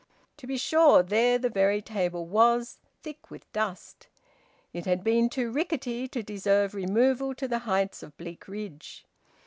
To be sure, there the very table was, thick with dust! It had been too rickety to deserve removal to the heights of Bleakridge.